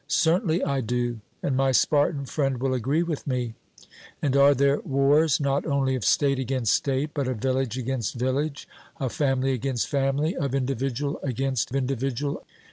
'Certainly I do, and my Spartan friend will agree with me.' And are there wars, not only of state against state, but of village against village, of family against family, of individual against individual?